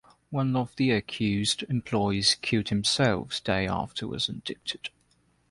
One of the accused employees killed himself days after he was indicted.